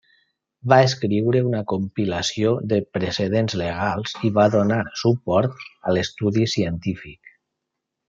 Va escriure una compilació de precedents legals i va donar suport a l'estudi científic.